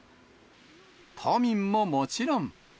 都民ももちろん。